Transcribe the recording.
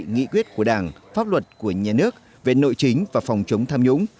nghị quyết của đảng pháp luật của nhà nước về nội chính và phòng chống tham nhũng